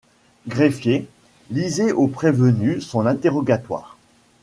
Greffier, lisez au prévenu son interrogatoire...